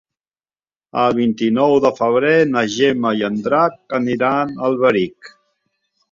El vint-i-nou de febrer na Gemma i en Drac aniran a Alberic.